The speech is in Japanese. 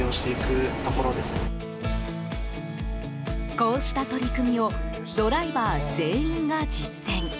こうした取り組みをドライバー全員が実践。